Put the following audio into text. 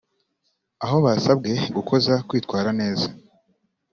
aho basabwe gukoza kwitwara neza